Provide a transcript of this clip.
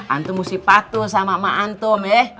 antum mesti patuh sama mak antum ya